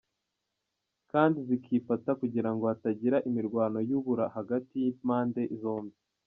Kandi zikifata kugirango hatagira imirwano yubura hagati y’impande zombi.